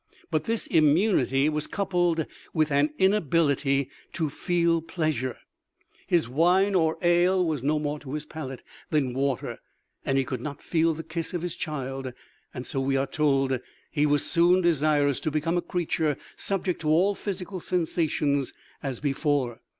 But this immunity was coupled with an inability to feel pleasure his wine or ale was no more to his palate than water, and he could not feel the kiss of his child; and so we are told that he was soon desirous to become a creature subject to all physical sensations as before.